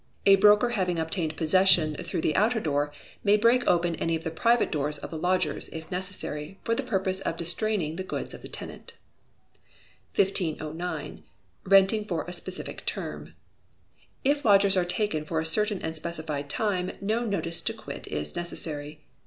A broker having obtained possession through the outer door, may break open any of the private doors of the lodgers, if necessary, for the purpose of distraining the goods of the tenant. 1509. Renting for a specific Term. If lodgings are taken for a certain and specified time, no notice to quit is necessary.